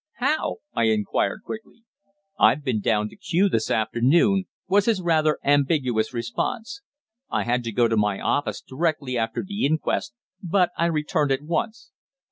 "How?" I inquired quickly. "I've been down to Kew this afternoon," was his rather ambiguous response. "I had to go to my office directly after the inquest, but I returned at once."